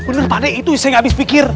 bener pak d itu saya gak habis pikir